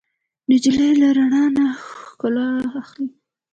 نجلۍ له رڼا نه ښکلا اخلي.